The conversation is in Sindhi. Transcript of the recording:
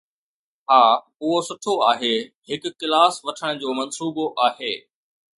ها، اهو سٺو آهي. هڪ ڪلاس وٺڻ جو منصوبو آهي؟